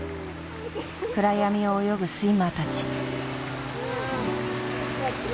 暗闇を泳ぐスイマーたち。